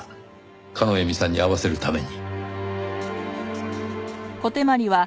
叶笑さんに会わせるために。